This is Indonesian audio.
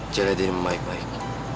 jelajah diri baik baik